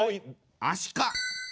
あしか。